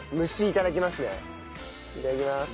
いただきます。